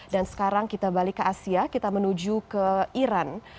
dan sekarang kita balik ke asia kita menuju ke iran